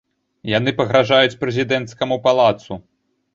Яны пагражаюць прэзідэнцкаму палацу.